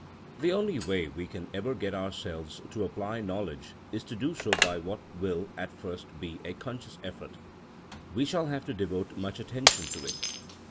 The only way we can ever get ourselves to apply knowledge is to do so by what will at first be a conscious effort. We shall have to devote much attention to it.